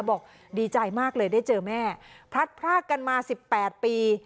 บอกดีใจมากเลยได้เจอแม่พลัดพรากกันมา๑๘ปี